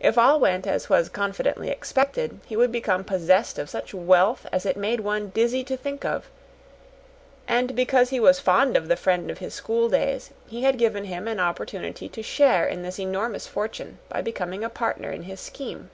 If all went as was confidently expected, he would become possessed of such wealth as it made one dizzy to think of; and because he was fond of the friend of his school days, he had given him an opportunity to share in this enormous fortune by becoming a partner in his scheme.